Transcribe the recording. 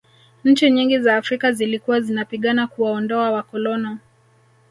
nchi nyingi za afrika zilikuwa zinapigana kuwaondoa wakolono